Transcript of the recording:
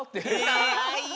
かわいい！